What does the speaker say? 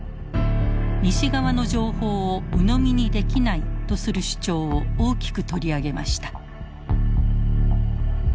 西側の情報をうのみにできないとする主張を大きく取り上げました。